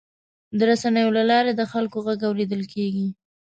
د رسنیو له لارې د خلکو غږ اورېدل کېږي.